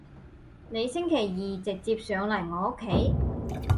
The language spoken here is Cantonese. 你星期二直接上嚟我屋企